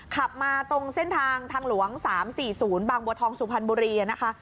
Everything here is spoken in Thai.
ขับมาตรงเส้นทางทางหลวง๓๔๐บางบัวทองสุพรรณบุรีนะคะ